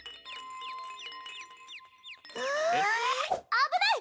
危ない！